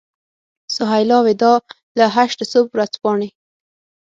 سهیلا وداع له هشت صبح ورځپاڼې.